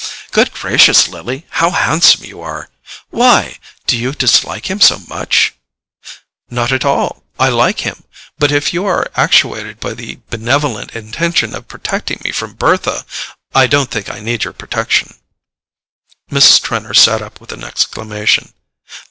"Good gracious, Lily, how handsome you are! Why? Do you dislike him so much?" "Not at all; I like him. But if you are actuated by the benevolent intention of protecting me from Bertha—I don't think I need your protection." Mrs. Trenor sat up with an exclamation.